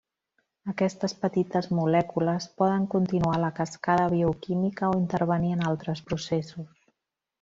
Aquestes petites molècules poden continuar la cascada bioquímica o intervenir en altres processos.